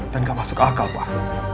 dan gak masuk akal pak